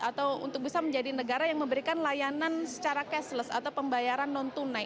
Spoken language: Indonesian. atau untuk bisa menjadi negara yang memberikan layanan secara cashless atau pembayaran non tunai